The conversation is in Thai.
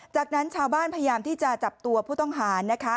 จากนั้นชาวบ้านพยายามที่จะจับตัวผู้ต้องหานะคะ